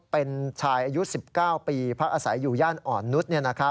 เป็นชายอายุ๑๙ปีพักอาศัยอยู่ย่านอ่อนนุษย์